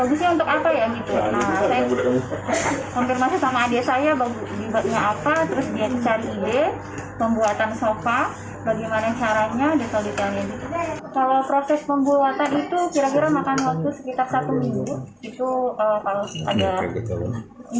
ini ya bahan bahan yang empat